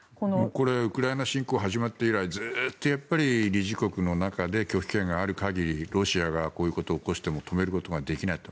ウクライナ侵攻が始まって以来ずっと理事国の中で拒否権がある限りロシアがこういうことを起こしても止めることができないと。